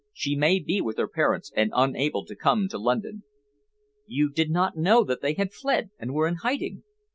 She may be with her parents, and unable to come to London." "You did not know that they had fled, and were in hiding?"